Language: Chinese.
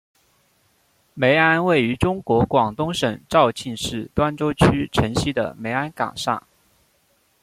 梅庵位于中国广东省肇庆市端州区城西的梅庵岗上。